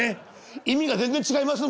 意味が全然違いますもんね。